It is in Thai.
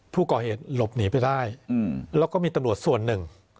ผู้ก่อเหตุหลบหนีไปได้แล้วก็มีตำรวจส่วนหนึ่ง